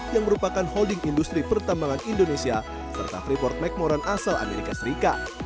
yang merupakan holding industri pertambangan indonesia serta freeport mcmoran asal amerika serikat